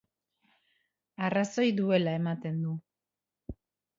Arrazoi duela ematen du.